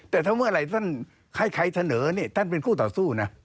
แต่ถ้าเมื่อไหร่ท่านใครเสนอนี่ท่านเป็นคู่ต่อสู้นะ